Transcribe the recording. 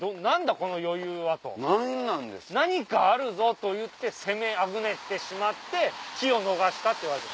この余裕はと何かあるぞといって攻めあぐねてしまって機を逃したっていわれてる。